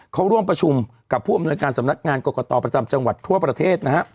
เขาร่วมประชุมกับผู้อำนวยการสำนักงานกรกตประจำจังหวัดทั่วประเทศนะฮะ